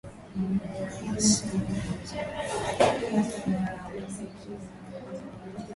Rais Samia amesema Serikali imedhamiria kwa dhati kuwainua Wanawake